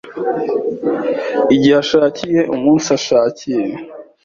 igihe ashakiye, umunsi ashakiye,